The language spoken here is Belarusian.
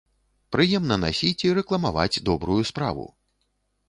Прыемна насіць і рэкламаваць добрую справу.